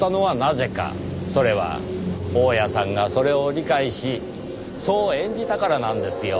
それは大屋さんがそれを理解しそう演じたからなんですよ。